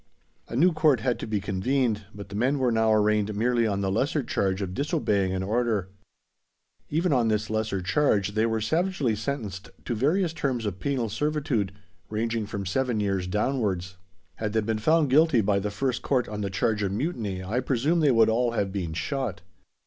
A new Court had to be convened, but the men were now arraigned merely on the lesser charge of disobeying an order. Even on this lesser charge they were savagely sentenced to various terms of penal servitude, ranging from seven years downwards. Had they been found guilty by the first Court on the charge of mutiny I presume they would all have been shot!